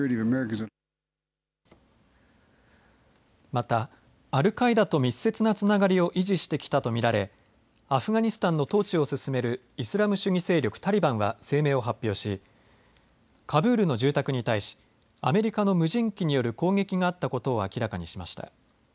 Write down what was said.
また、アルカイダと密接なつながりを維持してきたと見られアフガニスタンの統治を進めるイスラム主義勢力タリバンは声明を発表しカブールの住宅に対しアメリカの無人機による攻撃があったことを明らかにしました。